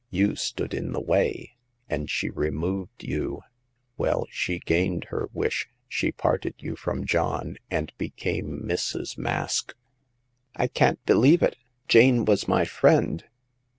You stood in the way, and she removed you. Well, she gained her wish; she parted you from John, and became Mrs. Mask.'' I can't believe it ; Jane was my friend."